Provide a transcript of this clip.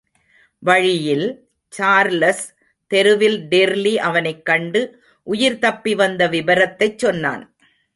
வழியில், சார்லஸ் தெருவில் டிர்லி அவனைக் கண்டு உயிர்தப்பிவந்த விபரத்தைச் சொன்னான்.